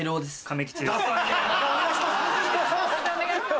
判定お願いします。